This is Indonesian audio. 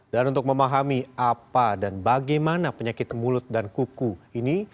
dan untuk memahami apa dan bagaimana penyakit mulut dan kuku ini